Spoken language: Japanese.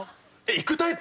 行くタイプ？